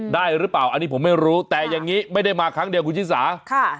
ได้หรือเปล่าอันนี้ผมไม่รู้แต่อย่างนี้ไม่ได้มาครั้งเดียวคุณชิสาค่ะ